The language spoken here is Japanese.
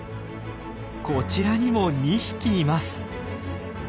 こちらにも２匹います！